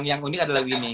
yang unik adalah lagu ini